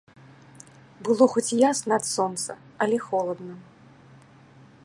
Было хоць ясна ад сонца, але холадна.